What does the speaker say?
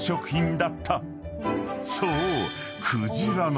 ［そう］